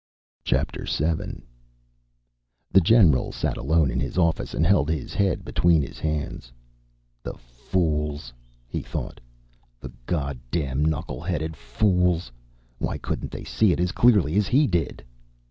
VII The general sat alone in his office and held his head between his hands. The fools, he thought, the goddam knuckle headed fools! Why couldn't they see it as clearly as he did?